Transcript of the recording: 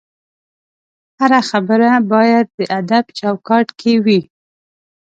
هره خبره باید د ادب چوکاټ کې وي